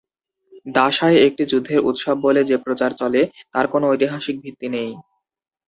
দাঁশায় একটি যুদ্ধের উৎসব বলে যে প্রচার চলে তার কোনো ঐতিহাসিক ভিত্তি নেই।